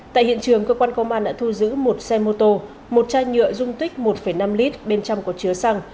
tại hiện trường cơ quan công an đã thu giữ một xe mô tô một chai nhựa dung tích một năm lít bên trong có chứa xăng